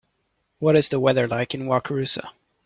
What is the weather like in Wakarusa